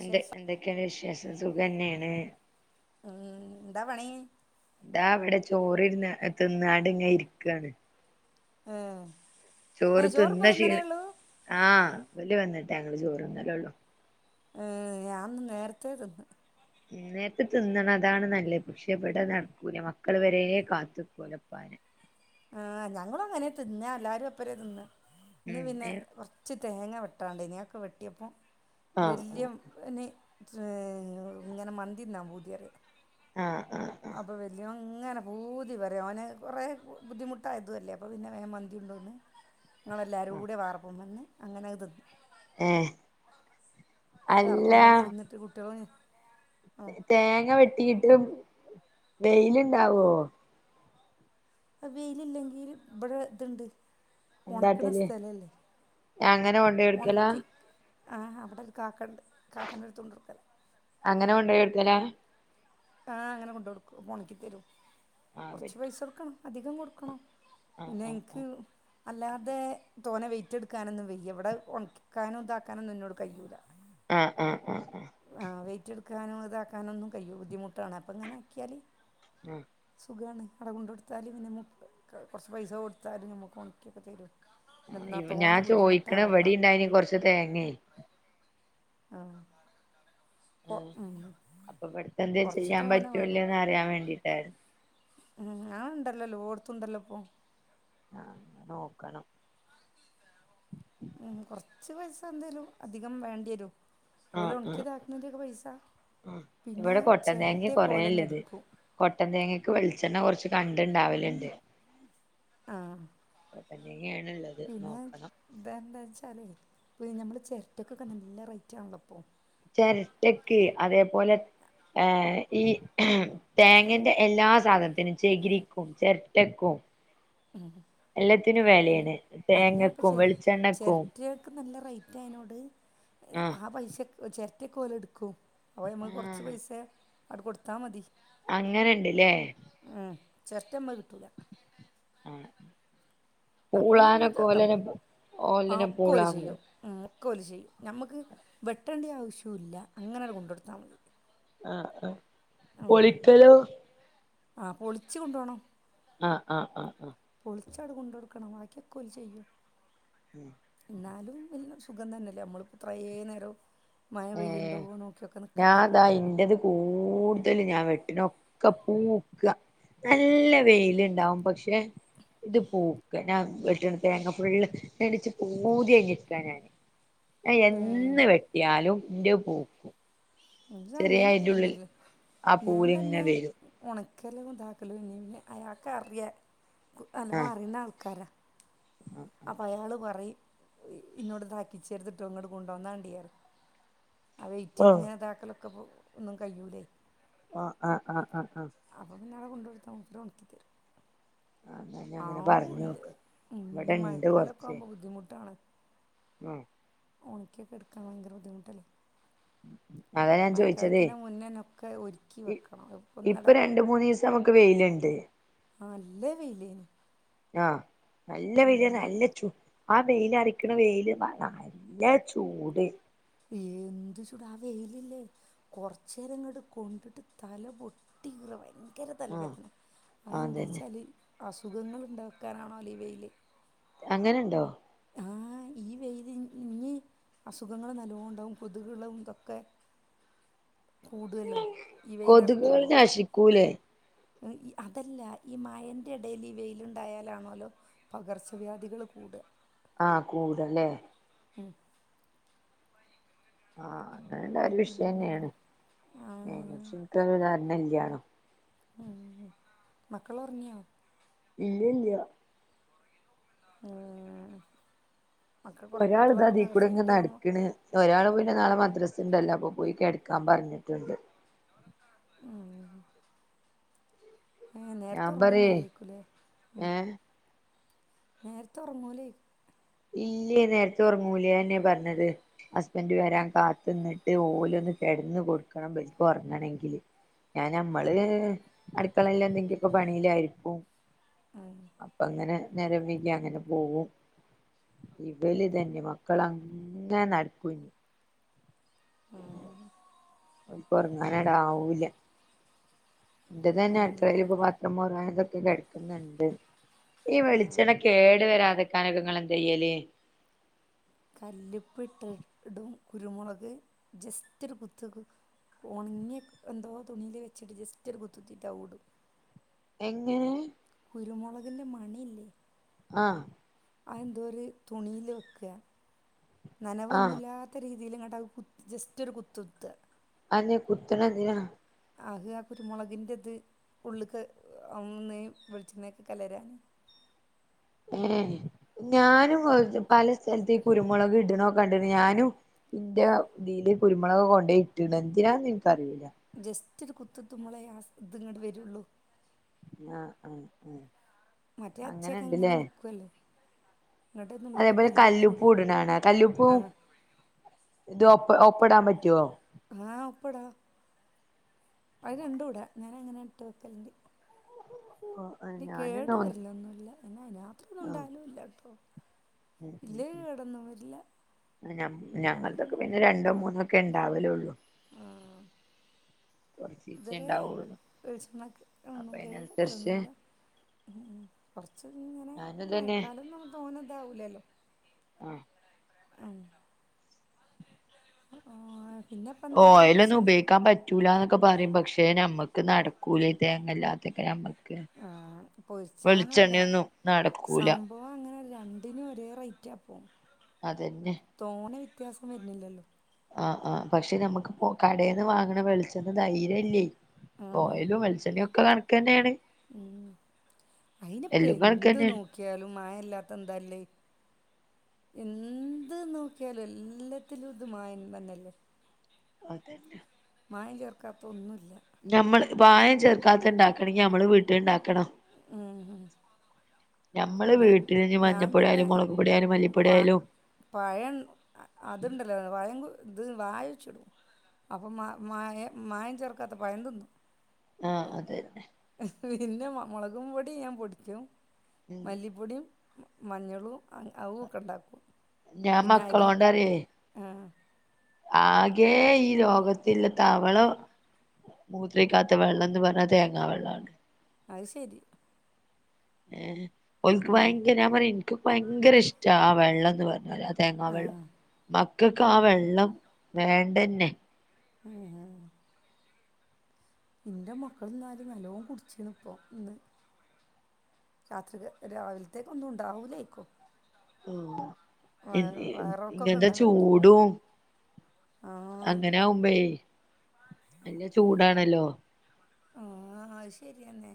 എന്ത്‌ എന്തക്കേണ് വിശേഷം സുഖന്നേണ് ഉം എന്താ പണി ദാ ഇവിടെ ചോറ് ഇരുന്ന് തിന്നാണ്ട് ഇങ്ങെ ഇരിക്കാണ്‌ ആഹ് ചോറ് അഹ് തിന്ന ചോറിപ്പ തിന്നണെ ക്ഷീണ എള്ളു ആഹ് [unintelligible] വന്നിട്ടെ ഞങ്ങള് ചോറ് തിന്നലുള്ളു ഉം ഞാൻ ഇന്ന് നേരത്തേ തിന്ന് ഈ നേരത്ത് തിന്നണം അതാണ് നല്ലെ പക്ഷേ ഇവിടെ നടക്കൂല മക്കള് വരേ കാത്ത് നിക്കുലുപ്പാനെ ആഹ് ഞങ്ങളുവങ്ങനെ തിന്നാ എല്ലാരും എപ്പരേ തിന്ന് ഇന്ന് ഉം പിന്നെ കൊറ ച്ച് തേങ്ങ വെട്ടാണ്ട് ഇനൾക്ക് വെട്ടിയപ്പൊ ആഹ് വല്യം പിന്നെ ഏഹ് ഇങ്ങനെ മന്തി തിന്നാൻ പൂതി പറയ ആഹ് ആഹ് ആഹ് അപ്പൊ വല്ല്യവൻ ഇങ്ങനെ പൂതി പറയും അവനെ കുറേ ബുദ്ധിമുട്ടായതു അല്ലേ അപ്പ പിന്നെ വേഗം മന്തി ഇണ്ടോന്ന് ആഹ് ആഹ് ഇങ്ങളെല്ലാരൂടെ വാർപ്പും വന്ന് അങ്ങനെ അത് തിന്ന് ഏഹ് അല്ല വർപ്പും വലി ഇരുന്നിട്ട് കുട്ടികള് തേങ്ങ വെട്ടിയിട്ട് വെയിലിണ്ടാവുവോ വെയിലില്ലെങ്കിൽ ഇവിടെ ഇതിണ്ട് ഒണക്കണ എന്താട്ടല് സ്ഥലല്ലെ അങ്ങനെ കൊണ്ടോയി കൊടുക്കലാ ഒണക്കി ആഹ് അവിടെ ഒരു കാക്കണ്ട് കാക്കന്റട്ത്ത് കൊണ്ടാട്ക്കല അങ്ങനെ കൊണ്ടോയ് വെക്കല ആഹ് അങ്ങനെ കൊണ്ടോടുക്കും അപ്പ ഒണക്കി തരും ആഹ് കൊറച്ച് പറ്റും പൈസ കൊടുക്കണം അധികം കൊടുക്കണം ആഹ് ആഹ് ന്നെൻക്ക് അല്ലാതെ തോനെ വെയിറ്റെടുക്കാനൊന്നും വെയ്യ ഇവിടെ ഒണക്കിക്കാനും ഇതാക്കാനൊന്നും ഇന്നോട് കഴിയൂല്ല ആഹ്ആഹ് ആഹ് ആഹ് ആഹ് വെയിറ്റെടുക്കാനും ഇതാക്കാനൊന്നും കഴിയൂ ബുദ്ധിമുട്ടാണ് അപ്പ ഇങ്ങനെ ആക്കിയാല് ഉം സുഖാണ് ആടെ കൊണ്ടോട്ത്താല് പിന്നെ [inaudible] കൊറച്ച് പൈസ കൊടുത്താലും നമുക്ക് ഒണക്കിയക്ക തരും എന്നാൽ ഇമ് ഞാൻ തോനെ ചോയിക്കണ് ബുദ്ധിമുട്ടാവണ്ട ഇവടിണ്ടായിനേ കൊറച്ച് തേങ്ങേ ആഹ് കൊ ഉം കൊറച്ച് തോനെ വേണം യാൻ വേണ്ടി ഏ ഉം ആഹ് ഇണ്ടല്ലോ എല്ലോട്ത്തുണ്ടല്ലൊ ഇപ്പൊ ആഹ് നോക്കണം ഉം കൊറച്ച് പൈസ എന്തേലും അധികം വേണ്ടി വരും ഓല് ആഹ് ആഹ് ഒണക്കിയതാക്കുന്നന്റെക്കെ പൈസ ആഹ് പിന്നേ ഇവിടെ കൊട്ടൻ തേങ്ങ ചെരട്ടെക്കെ ഓലന്നെ കൊറേള്ളത് എടുക്കും കൊട്ടൻ തേങ്ങക്ക് വെളിച്ചെണ്ണ കൊറച്ച് കണ്ടെണ്ടാവലെണ്ട് ആഹ് കൊട്ടത്തേങ്ങയാണ് ഇള്ളത് നോക്കണം ഇതെന്താച്ചാലെ ഇപ്പീ ഞമ്മള് ചെരട്ടക്കൊക്കെ നല്ല റേറ്റാണല്ലൊ ഇപ്പൊ ചെരട്ടക്ക് അതേപോലെ ഏഹ് ഈ തേങ്ങന്റെ എല്ലാ സാധനത്തിനും ചെകിരിക്കും ചെരട്ടക്കും എല്ലത്തിനും അല്ല വെലയാണ് തേങ്ങക്കും വെളിച്ചണ്ണക്കും ജിയാക്ക് നല്ല റേറ്റ് അയ്നോട് ആഹ് ആ പൈസക്ക് ചെരട്ടെക്ക ഓലെടുക്കും ഓഹ് അമ്മ്ക്ക് കൊറച്ച് ആഹ് പൈസെ അങ്ങട് കൊടുത്താ മതി അങ്ങനെ ഇണ്ട്ല്ലേ? ഉം ചെരട്ട അമ്മക്ക് കിട്ടൂല്ല ആഹ് അപ്പോൾ ഞമ്മ പൂളാനൊക്കെ ഓലെന്നെ ആ ഓലന്നെ ഒക്കെ ഓല് പൂളാവും ചെയ്യും ഉം ഒക്കെ ഓല്ചെയ്യും നമുക്ക് വെട്ടേണ്ടിയ ആവശ്യൂല്ല അങ്ങനെ ആണ്ട് കൊണ്ടട്ത്താ മതി ആഹ് ആഹ് പൊളിക്കലോ? ആഹ് പെളിച്ച് കൊണ്ടോണം ആഹ് ആഹ് ആഹ് ആഹ് പൊളിച്ചാട്ട് കൊണ്ട് കൊടുക്കണം ബാക്കിയൊക്കെ ഓല് ചെയ്യും ഉം ഇന്നാലും വല്യൊരു സുഖം തന്നെയല്ലേ നമ്മളിപ്പൊ ഇത്രേ നേരം മഴ ഏഹേ പെയ്യുണ്ടോ നോക്കിയൊക്കെ ഞാ നിൽക്കണ്ടേ ഇതാ ഇന്റെത് കൂടുതല് ഞാൻ വെട്ടിണ് ഒക്കെ പൂക്ക നല്ല വെയിലുണ്ടാവും പക്ഷെ ഇത് പൂക്ക് ഞാൻ വെട്ട്ണ തേങ്ങ ഫുള്ള് ഇങ്ങെട്ട് ഇച്ച് പൂതികഴിഞ്ഞിരിക്കാ ഞാൻ ഞാ എന്ന് വെട്ടിയാലും ഇന്റെ പൂ ഇന്റെ അങ്ങനെ ആവലൊന്നുല്ല ആ ഞാൻ പൂവിലിങ്ങനെ തന്നെ വരും ഒണക്കലും ഇതാക്കലും ഇന്നെ പിന്നെ അയാക്ക് അറിയാ നല്ലോണം ആഹ് അറിയ്ണാ ആൾക്കാരാ അപ്പൊ അയാള് പറിയും ഇന്നോട് ഇതാക്കിച്ചര്ത്ട്ടോ ഇങ്ങട്ട് കൊണ്ടന്നാണ്ടി പറയും ആ വെയിറ്റ് ആഹ് ഇങ്ങനെ ഇതാക്കലൊക്കെ ഒന്നും കഴിയൂല്ലേ ആഹ് ആഹ് ആഹ് ആഹ് ആഹ് അപ്പൊ പിന്നെ അവിടെ കൊണ്ട് കൊടുത്ത മൂപ്പര് ഒണക്കി തരും ആഹ് എന്നാ ഞാൻ അങ്ങനെ ആഹൂല്ല്യ പറഞ്ഞോക്ക് ഇഞ്ഞ് ഇവിടെണ്ട് മഴക്കാലൊക്കെ ആവുമ്പോ ബുദ്ധിമുട്ടാണ് ആഹ് ഒണിക്കിയൊക്കെ എടുക്കാൻ ഭയങ്കര ബുദ്ധിമുട്ടല്ലേ? അതാ ഞാൻ ചോയിച്ചതേ മയക്കാലത്തിന്റ മുന്നന്നെ ഒക്കെ ഒര്ക്കി വെക്കണം അത് ഇപ്പൊ ഇന്നട രണ്ട് മൂന്നീസം നമുക്ക് വെയില്ണ്ട് ആഹ് നല്ല വെയ്ലേനി ആഹ് നല്ല വെയ്ലാര്ന്ന് നല്ല ചൂ ആ വെയ്ല അറിക്കണ വെയ്ല് നല്ല ചൂട് ഏന്ത് ചുടാ ആ വെയയ്ലില്ലേ? കൊറച്ചേരം ഇങ്ങട്ട് കൊണ്ടിട്ട് തല പൊട്ടിക്കീറ ഭയങ്ക ഭയങ്കര ആഹ് തലവേദന അതന്താ അതന്നെ വെച്ചാല് അസുഖങ്ങള് ഇണ്ടാക്കാനാണാലോ ഈ വെയ്ല് അങ്ങനെണ്ടോ? ആഹ് ഈ വെയ്ല് ഇ ഇനി അസുഖങ്ങള് നല്ലോണണ്ടാവും കൊത്കളും ഇതൊക്കെ കൂടുവല്ലോ ഈ കൊതുകുകൾ വെയ്ലറിക്കുമ്പോ നശിക്കൂലേ ഉം ഈ അതല്ല ഈ മഴന്റെ എടേല് ഈ വെയ്ല് ഇണ്ടായാലാണോല്ലോ പകർച്ചവ്യാധികള് കൂട്ക ആഹ് കൂടലേ? ഉം ആഹ് അങ്ങനെ ഇണ്ടായ്ല് ഒരു വിഷയന്നേണ് അയിനെ കുറിച്ച് ഇൻക്ക് വല്ല്യ ധാരണല്യാനും ഉം അങ്ങനെ മക്കളൊറങ്ങിയോ? ഇല്ല്യല്ല്യ ഉംഹ് ഒരാള് ഇതാ കുറച്ച് ഇതീക്കൂടെങ്ങനെ കഴിഞ്ഞിട്ടേ ഉറങ്ങൂ നട്ക്ക്ണ് ഒരാള് പിന്നെ നാളെ മദ്രസ്സ് ഇണ്ടല്ലോ അപ്പൊ പോയി കെടക്കാം പറഞ്ഞ്ട്ടുണ്ട് ഉം ഏഹ് നേരത്തെ ഞാൻ പറയേ ഒറങ്ങുന്നല്ലായിക്കുലെ ഉം ഏഹ് നേരത്തെ ഒറങ്ങൂലെ ഇല്ലേ നേരത്തെ ഒറങ്ങൂലെ അതന്നെ പറഞ്ഞത് ഹസ്ബൻഡ് വരാൻ കാത്തുന്നിട്ട് ഓലൊന്ന് കിടന്ന് കൊടുക്കണം ഇബൽക്ക് ഉറങ്ങണെങ്കില് ഞാന് നമ്മള് അട്ക്കളെലെന്തെങ്കി ഇപ്പ പണിലാരിക്കും അപ്പ അങ്ങനെ നേരം വൈഗി അങ്ങനെ പോവും ഇബല് ഇതന്നെ മക്കളങ്ങന നടക്കൂനി അഹ് ഇപ്പ ഒറങ്ങാനടാവൂല്ല എന്റതന്ന ആഹ് അടുക്കളെല് ഇപ്പ പാത്രം മോറാൻതൊക്കെ കെടക്കുന്നുണ്ട് ഈ വെളിച്ചെണക്ക് കേട് വെരാതിക്കാനക്ക നിങ്ങള് എന്തയ്യല് കല്ലിപ്പ്ട്ട് ഇടും കുരുമൊളക് ജസ്റ്റൊര് കുത്ത്ക് ഒണങ്ങിയക് എന്തോ തുണീല് വെച്ച്‌ട്ട് ജസ്റ്റൊരു കുത്തുത്തിട്ട് ഔടും എങ്ങനെ കുരുമൊളകിന്റ മണി ഇല്ലേ ആഹ് ആ എന്തോര് തുണീല് വെക്ക്ക ആഹ് നനവൊന്നൂല്ലാ ത്ത രീതിലങ്ങട്ട് കു ജസ്റ്റൊര് കുത്ത്ത്ത അതെന്തെ കുത്തണന്തിന അ ഹ് ആ കുര്മൊളകിൻ്റത് ഉള്ള്ക്ക് ഔന്നെ വെളിച്ചെണെക്ക് കലരാന് ഏഹ് ഞാനും വ് പല സ്ഥലത്തി കുരുമൊളക് ഇടണൊ കണ്ട്ന് ഞാനും ഇന്റ ഇതില് കുരുമൊളക് കൊണ്ടേ ഇട്ട്ണ് എന്തിനാ എന്ക്കറീല്ല ജസ്റ്റൊര് കുത്ത്ത്തുമ്പളെ അ സ് ഇത് ഇങ്ങട്ട് വെരുള്ളൂ ന്നാ അം ഉം മറ്റെ അച്ചെക്ക അങ്ങന നിക്ക്വല്ലോ അതേപോലെ കല്ലുപ്പും ഇട്ണ കാണ കല്ലുപ്പൂ ആഹ് ഇത് ഒപ്പ ഒപ്പടാൻ പറ്റുവോ ആഹ് അപ്പ്ടാ അത് രണ്ടൂട ഞാനങ്ങന ഇട്ട് വെക്കല്ണ്ട് ങാഹ് ഇനി കേടു വെരല് ഒന്നും ഇല്ല എന്ന അയിന് മാത്രം ആഹ് ഒണ്ടാവലും ഇല്ല കേട്ടോ ഉം ഉം ഉം ഞമ്മ ഞങ്ങൾതക്ക് ഒക്കെ പിന്നെ രണ്ടോ മൂന്നോ ഒക്കെ എണ്ടാവലേ ഒള്ളൂ ആഹ് കൊറച്ചീച്ചേ ഇതരെ ഇണ്ടാവുള്ളൂ വെളിച്ചെണ്ണക്ക് അപ്പൊ ഒന്നും കേട് വരല് ഒന്നും അയിനനുസരിച്ച് ഇല്ല ഉ കൊറച്ച് ഇങ്ങനെ ഞാനും തന്നെ മയക്കാലം എന്ന് തോന്നത് അതാവൂലല്ലോ ആഹ് അഹ് ആഹ് പിന്നെപ്പെന്താ ഓയിൽ ഒന്നും വിശേഷം ഉപയോഗിക്കാൻ പ റ്റൂലന്നൊക്കെ പറയും പക്ഷേ നമ്മക്ക് നടക്കൂല ഈ തേങ്ങല്ലാതെ ഒക്കെ നമ്മള് ആഹ് പൊരിച്ചാന് താ നടക്കൂല സംഭവം അങ്ങനെ രണ്ടിനും ഒരേ റേറ്റാ ഇപ്പോം അതന്നെ തോണെ വ്യത്യാസം വരുന്നില്ല അല്ലോ ആഹ് ആഹ് പക്ഷേ ഞമ്മക്ക് ഇപ്പൊ കടേന്ന് വാങ്ങണ വെളിച്ചെണ്ണ ധൈര്യം ഇല്ലേ ഓയിലും വെളിച്ചെണ്ണ ഒക്കെ കണക്ക് തന്നെ ഏണ് ഉം അയിന് ഇപ്പ എന്ത് കണക്കന്നെയാണ് നോക്കിയാലും മായല്ലാത്ത എന്താല്ലേ എന്ത് നോക്കിയാലും എല്ലത്തിലും ഇത് മായം തന്നല്ലേ അതന്നെ മായം ചേർക്കാത്ത ഒന്നും ഇല്ല ഞമ്മള് പായം ചേർക്കാത്ത ഇണ്ടാക്കണ് എങ്കി ഞമ്മള് വീട്ടില് ഇണ്ടാക്കണം ഉം ഉം ഞമ്മള് വീട്ടിൽ ഇനി ഞാൻ മഞ്ഞപ്പൊടി പിന്നെ ആയാലും മൊളകുപൊടി ആയാലും മല്ലിപ്പൊടി പ ആയാലും പഴം അതുണ്ടല്ലോ പഴം ഇത് വായച്ചിടും അപ്പം മ മായ മായം ചേർക്കാത്ത പഴം തിന്നും ആഹ് അതന്നെ പിന്നെ മൊളകും പൊടി ഞാൻ പൊടിക്കും ഉം മല്ലിപ്പൊടിം മഞ്ഞളും ആവൂ ഒക്കെ ഇണ്ടാക്കും ഞാൻ മക്കളോണ്ടറിയേ ആകേ ഈ ലോകത്തില്ല തവള മൂത്രൊയ്ക്കാത്ത വെള്ളം ന്ന് പർഞ്ഞ തേങ്ങ വെള്ളാണ് അത് ശെരി ഏഹ് ഓൽക്ക് ഉം ഭയങ്ക ഞാൻ പറയും ഇൻക്ക് ഭയങ്കര ഇഷ്ട ആ വെള്ളം എന്ന് പറ നല്ല തേങ്ങ വെള്ളം ആഹ് മക്കക്ക് ആ വെള്ളം വേണ്ടന്നെ [unintelligible] ഇന്റെ മക്കളും ഞാനും നല്ലോണം കുട്ച്ചിരിന്ന് ഇപ്പൊ ഇന്ന് രാത്രിക് രാവിൽത്തേക്ക് ഒന്നും ഉണ്ടാവൂലേക്കും ആഹ് വയറ് വയറൾക്കം ഒക്കെ ഇങ്ങനത്തെ ഇണ്ടാവല്ണ്ട് ചൂടും അങ്ങനെ ആവുമ്പേ നല്ല ചൂടാണല്ലോ ആഹ് അത് ശരി അന്നെ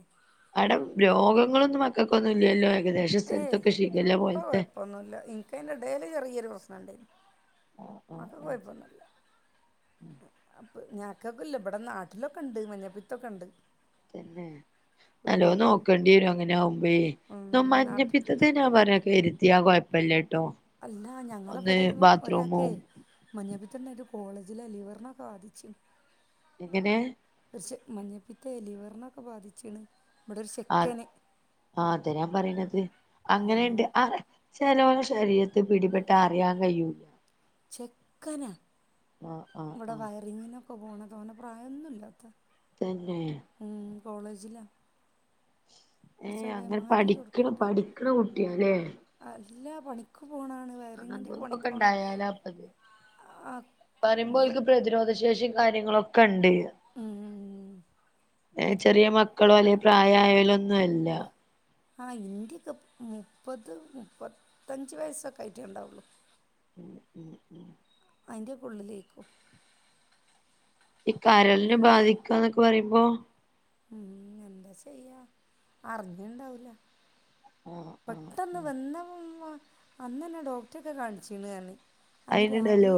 അവടം രോഗങ്ങള് ഒന്നും മക്കക്ക് ഒന്നും ഇല്ലല്ലോ ഏകദേശ സ്ഥലത്ത് ഒക്കെ ഷിഖില്ല പോൽത്തെ ഒന്നും ഇല്ല ഇൻക്ക് അയിൻ്റെ എടേല് ചെറിയ ഒരു പ്രശ്നം ഇണ്ടയ്നി ആഹ് ആഹ് അത് ആഹ് കൊയപ്പൊന്നും ഇല്ല അപ്പ് ഞങ്ങക്ക് ഒക്കെ ഇല്ല ഇവടെ നാട്ടില് ഒക്കെണ്ട് മഞ്ഞപ്പിത്തം ഒക്കെണ്ട് തന്നെ നല്ലോണം നോക്കേണ്ടി വെരും അങ്ങനെ ആകുമ്പയേ ഉം ന്ന നാട്ട് മഞ്ഞപ്പി ത്തത്തി ഞാൻ പറയാ കെര്തിയാ കൊയ്പ്പല്ല ട്ടോ അല്ല ഞങ്ങള ഇവടെ ഒരു ഒരാക്കേ മഞ്ഞപ്പിത്തം ഉണ്ടായിട്ട് കോളേജിലെ ലിവറിനെ ബാധിച്ചു എങ്ങനെ പക്ഷേ മഞ്ഞപ്പിത്തെ ലിവറിന് ഒക്കെ ബാധിച്ച്ക്ണ് അത് ആഹ് അതാ ഞാൻ പറിണത് അങ്ങനെണ്ട് ആ ചെലോലെ ശരീര ത്തില് പിടിപെട്ടാ അറിയാൻ കയ്യും ചെക്കനാ ഇവടെ ആ വയറിങ്ങിനൊക്കെ പോണതാ തോന്നെ പ്രായൊന്നുല്ലാത്ത തന്നെ ഉം കോളേജിലാ ഏഹ് കുറച്ച് വേ അങ്ങനെ മാറ്റി പഠിക്ക്ണ പഠിക്ക്ണ കുട്ട്യാ ലെ അല്ല പണിക്ക് പോണാണ് വയറിങ്ങിൻ്റെ ഒക്കെ പണിക്ക് മക്കക്കൊക്കെ പോണ ഇണ്ടായാലാപ്പത് പറിമ്പോൽക്ക് പ്രതിരോധ ശേഷിം കാര്യങ്ങളൊക്കെണ്ട് ഉം. ഏഹ് ചെറിയ മക്കളോ അല്ലേ പ്രായായോലൊന്നും അല്ല ആഹ് ഇൻ്റൊക്കെ മുപ്പത് മുപ്പത്തഞ്ച് വയസ്സൊക്കെ ആയിട്ടേ ഉണ്ടാവുള്ളു ഉം ഉം ഉം അയ്ൻ്റെക്കെ ഉള്ളിലേക്കും ഈ കരളിന് ബാധിക്കാന്നൊക്കെ പറിമ്പം ഉം ഉം എന്താ ചെയ്യാ അറിഞ്ഞ്ണ്ടാവൂല ആഹ് പെട്ടെന്ന് വന്ന് വ അന്നനെ ഡോക്ടൊക്കെ കാണിച്ച്ണ് പറഞ്ഞ് അന്ന് അയിനുണ്ടല്ലോ രാവിലെ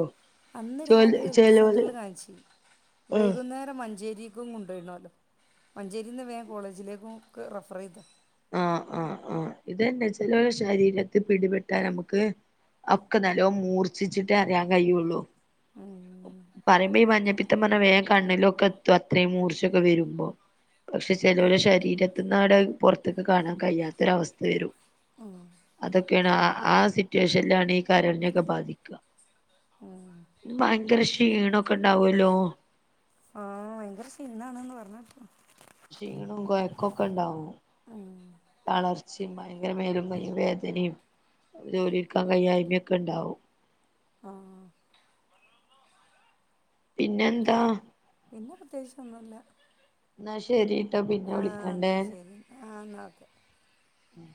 അന്ന് ചെലോ രാവിലെ ഹെൽത്ത് ചെലോല് സെന്ററിൽ കാൺച്ചീനി ആഹ് വൈകുന്നേര ടെ മഞ്ചേരീക്കും കൊണ്ടോയ്നോലൊ മഞ്ചേരിന്ന് വേം കോളേജിലേക്കും ഒക്കെ റഫറെയ്ത് [inaudible] അഹ് ഇതെന്നെ ചെലോലെ ശരീരത്തിൽ പിടിപെട്ടാ ഞമ്മക്ക് ഒക്കെ നല്ലോം മൂർഛിച്ചിട്ടേ അറിയാൻ കഴിയുള്ളു പറിമ്പം ഈ മഞ്ഞപ്പിത്തം പറഞ്ഞ വേം കണ്ണിലൊക്കെ എത്തും അത്രയും മൂർച്ചൊക്കെ വരുമ്പോ പക്ഷെ ചെലോലെ ശരീരത്തിന്നാണ്ടത് പൊറത്ത്ക്ക് കാണാൻ കഴിയാത്തൊരവസ്ഥ വരും അഹ് അതൊക്കെയാണ് ആഹ് ആ സിറ്റുവേഷനിലാണ് ഈ കരളിനൊക്കെ ബാധിക്ക ആഹ് ഇത് ഭയങ്കര ക്ഷീണൊക്കെ ഉണ്ടാവല്ലോ ആഹ് ഭയങ്കര ക്ഷീണാണ്ന്ന് പറഞ്ഞേ ക്ഷീണം കൊയ്ക്കൊക്കെണ്ടാവും തളർ ച്ചിം ഭയങ്കര മേലും, കയ്യും, വേദനിം ജോലിട്ക്കാൻ കൈയായ്മെ ഒക്കെ ഉണ്ടാവും പിന്നെന്താ പിന്നെ പ്രത്യേകിച്ചൊന്നുല്ല എന്നാ ശരി ആഹ് ആന്നാ ശരി ആഹ് ആന്നാ ഓക്കെ ഉം